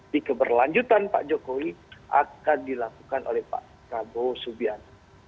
di keberlanjutan pak jokowi akan dilakukan oleh pak prabowo subianto